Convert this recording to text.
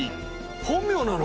本名なの！？